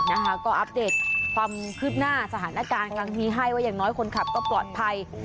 นะคะก็อัปเดตความคืบหน้าสถานการณ์ครั้งนี้ให้ว่าอย่างน้อยคนขับก็ปลอดภัย